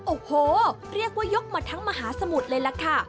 โอ้โหเรียกว่ายกมาทั้งมหาสมุทรเลยล่ะค่ะ